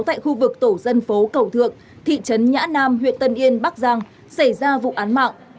tại khu vực tổ dân phố cầu thượng thị trấn nhã nam huyện tân yên bắc giang xảy ra vụ án mạng